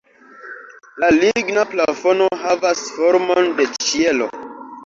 La ligna plafono havas formon de ĉielo.